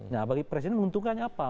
nah bagi presiden menguntungkannya apa